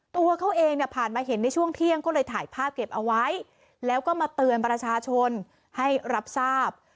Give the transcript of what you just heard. ตัวเขาเองเนี่ยผ่านมาเห็นในช่วงเที่ยงก็เลยถ่ายภาพเก็บเอาไว้แล้วก็มาเตือนประชาชนให้รับทราบ